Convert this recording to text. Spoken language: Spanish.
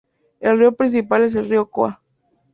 El rio principal es el Rio Coa.